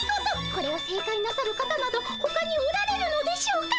これを正解なさる方などほかにおられるのでしょうか。